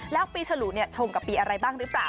แล้วปีฉลูชงกับปีอะไรบ้างหรือเปล่า